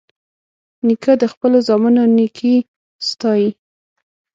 نیکه د خپلو زامنو نیکي ستايي.